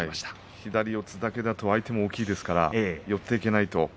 左四つだけですと相手も大きいですから寄っていけないと。